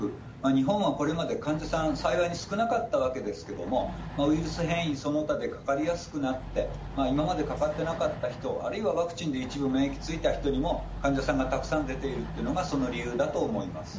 日本はこれまで患者さん、幸いに少なかったわけですけども、ウイルス変異その他でかかりやすくなって、今までかかってなかった人、あるいはワクチンで一部免疫ついた人にも、患者さんがたくさん出ているというのがその理由だと思います。